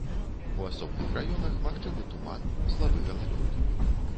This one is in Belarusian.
У асобных раёнах магчымы туман, слабы галалёд.